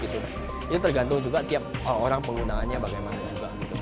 itu tergantung juga tiap orang penggunaannya bagaimana juga